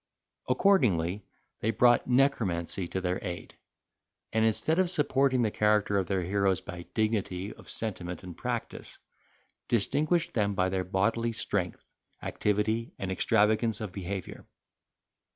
Accordingly, they brought necromancy to their aid, and instead of supporting the character of their heroes by dignity of sentiment and practice, distinguished them by their bodily strength, activity, and extravagance of behaviour.